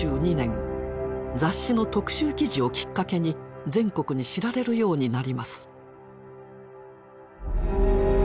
雑誌の特集記事をきっかけに全国に知られるようになります。